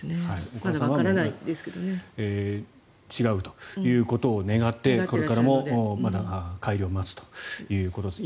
お母さんは違うということを願ってこれからもまだ帰りを待つということです。